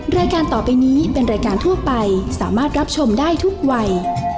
รายการต่อไปนี้เป็นรายการทั่วไปสามารถรับชมได้ทุกวัย